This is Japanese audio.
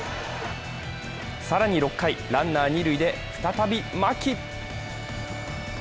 更に６回、ランナー、二塁で再び牧。